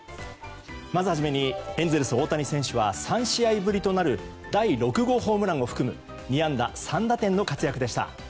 まず初めにエンゼルス、大谷翔平選手は３試合ぶりとなる第６号ホームランを含む２安打３打点の活躍でした。